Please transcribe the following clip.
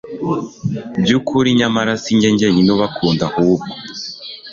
by ukuri nyamara si jye jyenyine ubakunda ahubwo